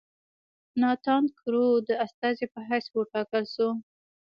ناتان کرو د استازي په حیث وټاکل شو.